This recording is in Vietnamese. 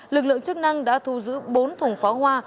lực lượng chức năng đã thu giữ bốn thùng pháo hoa